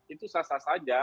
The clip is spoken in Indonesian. itu sasar saja